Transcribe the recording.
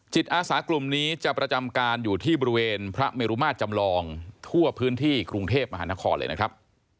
อาสากลุ่มนี้จะประจำการอยู่ที่บริเวณพระเมรุมาตรจำลองทั่วพื้นที่กรุงเทพมหานครเลยนะครับ